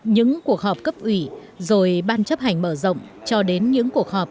những cuộc họp cấp ủy rồi ban chấp hành mở rộng